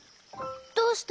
どうして？